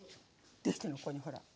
できてんのここにほら。